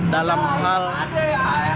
yang mengesahkan klb ilegal ini